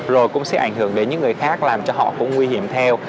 rồi cũng sẽ ảnh hưởng đến những người khác làm cho họ cũng nguy hiểm theo